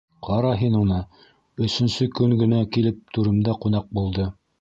Ҡара һин уны, өсөнсө көн генә килеп түремдә ҡунаҡ булды.